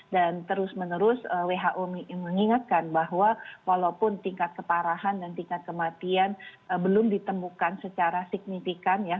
dan terus menerus who mengingatkan bahwa walaupun tingkat keparahan dan tingkat kematian belum ditemukan secara signifikan ya